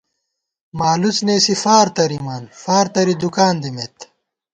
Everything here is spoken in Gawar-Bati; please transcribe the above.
مالُوڅ نېسی فار تَرِمان ، فار تَرِی دُکان دِمېت